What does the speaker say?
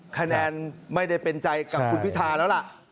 คะแนนไม่ได้เป็นใจกับคุณพิธาแล้วล่ะ